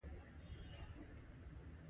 د انتقاد کوونکو په قصه کې نه وي .